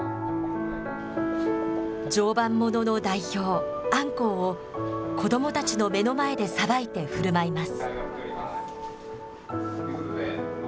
常磐ものの代表、アンコウを、子どもたちの目の前でさばいてふるまいます。